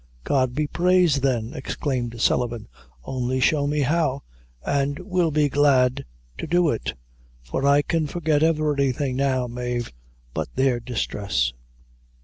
"God be praised then!" exclaimed Sullivan; "only show me how, an' we'll be glad to do it; for I can forget everything now, Mave, but their distress."